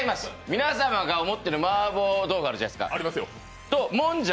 皆様が思っているマーボー豆腐あるじゃないですか。